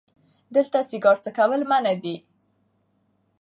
دلته سیګار څکول منع دي🚭